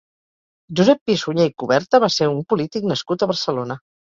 Josep Pi-Sunyer i Cuberta va ser un polític nascut a Barcelona.